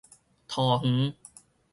桃園